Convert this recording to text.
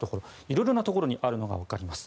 色々なところにあるのがわかります。